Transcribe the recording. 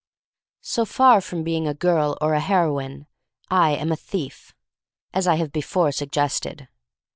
So far from being a girl or a heroine, I am a thief — as I have before suggested.